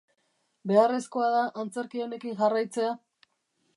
Beharrezkoa da antzerki honekin jarraitzea?